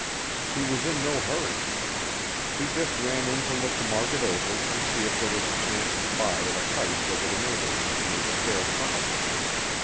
He was in no hurry. He just ran in to look the market over and see if there was a chance to buy at a price that would enable him to make a fair profit.